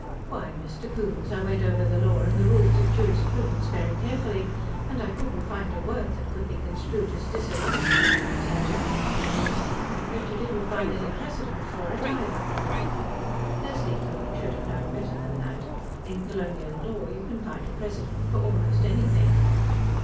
"Why, Mr. Coombes, I went over the law and the rules of jurisprudence very carefully, and I couldn't find a word that could be construed as disallowing such a procedure." "I'll bet you didn't find any precedent for it either!" Leslie Coombes should have known better than that; in colonial law, you can find a precedent for almost anything.